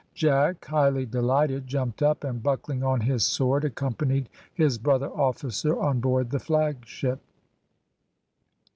Jack, highly delighted, jumped up, and buckling on his sword accompanied his brother officer on board the flagship.